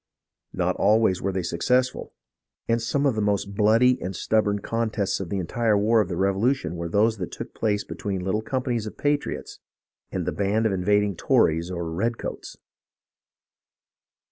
Not always were they success ful, and some of the most bloody and stubborn contests of the entire war of the Revolution were those that took place between little companies of patriots and the band of invad ing Tories or redcoats.